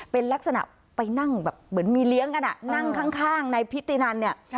เป็นลักษณะไปนั่งแบบเหมือนมีเลี้ยงกันนั่งข้างในพิธีนันเนี่ย